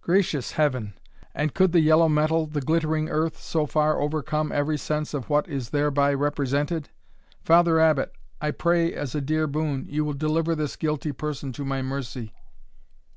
"Gracious Heaven! and could the yellow metal the glittering earth so far overcome every sense of what is thereby represented? Father Abbot, I pray, as a dear boon, you will deliver this guilty person to my mercy."